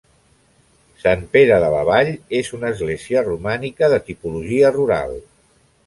Sant Pere de la Vall és una església romànica de tipologia rural.